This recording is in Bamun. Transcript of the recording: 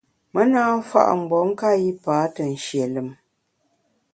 Me na mfa’ mgbom nka yipa te nshie lùm.